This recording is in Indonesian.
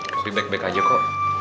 lebih baik baik aja kok